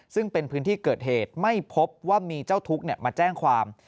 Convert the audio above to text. ซึ่งเป็นพื้นที่เกิดเหตุไม่พบว่ามีเจ้าทุกข์มาแจ้งความ